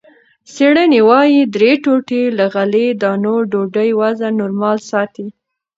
څېړنې وايي، درې ټوټې له غلې- دانو ډوډۍ وزن نورمال ساتي.